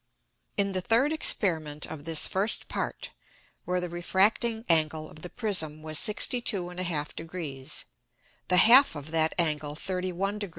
In the third Experiment of this first Part, where the refracting Angle of the Prism was 62 1/2 Degrees, the half of that Angle 31 deg.